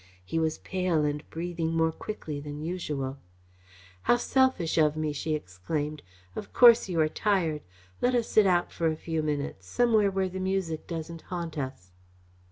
He was pale and breathing more quickly than usual. "How selfish of me!" she exclaimed. "Of course you are tired! Let us sit out for a few minutes somewhere where the music doesn't haunt us."